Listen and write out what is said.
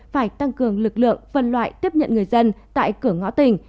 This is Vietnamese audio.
phải tăng cường lực lượng phân loại tiếp nhận người dân tại cửa ngõ tỉnh